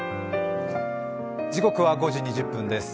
時刻は５時２０分です。